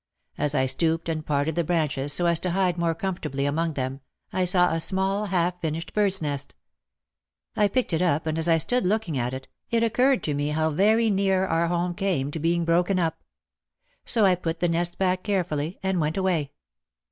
As I stooped and parted the branches so as to hide more comfortably among them, I saw a small, half finished bird's nest. I picked it up and as I stood looking at it, it occurred to me how very near our home came to being broken up. So I put the nest back care fully and went away.